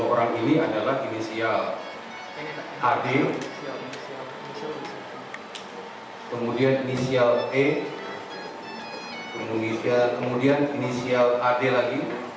dua orang ini adalah inisial ad kemudian inisial e kemudian inisial ad lagi